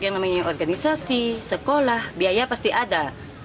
yang namanya organisasi sekolah biaya pasti ada